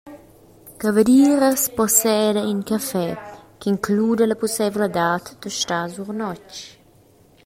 Cavardiras posseda in caffé ch’includa la pusseivladad da star sur notg.